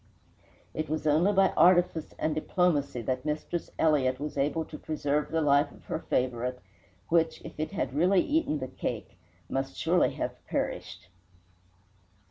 It was only by artifice and diplomacy that Mistress Elliott was able to preserve the life of her favourite, which, if it had really eaten the cake, must surely have perished.